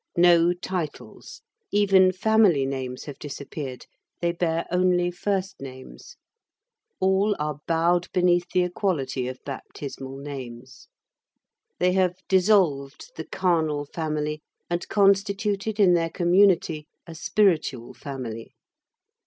No titles. Even family names have disappeared. They bear only first names. All are bowed beneath the equality of baptismal names. They have dissolved the carnal family, and constituted in their community a spiritual family.